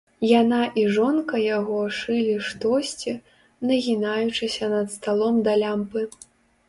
Яна і жонка яго шылі штосьці, нагінаючыся над сталом да лямпы.